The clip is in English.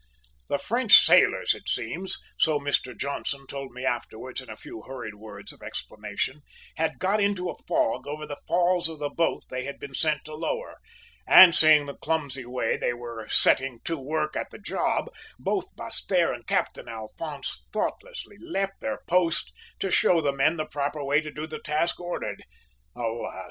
"The French sailors, it seems, so Mr Johnson told me afterwards in a few hurried words of explanation, had `got into a fog' over the falls of the boat they had been sent to lower, and seeing the clumsy way they were setting to work at the job, both Basseterre and Captain Alphonse thoughtlessly left their post to show the men the proper way to do the task ordered. Alas!